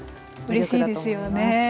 うれしいですよね。